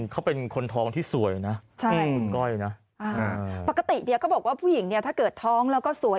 เขาเป็นคนท้องที่สวยนะคุณก้อยนะปกติเนี่ยเขาบอกว่าผู้หญิงเนี่ยถ้าเกิดท้องแล้วก็สวย